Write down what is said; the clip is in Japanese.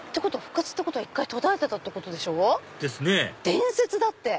伝説だって！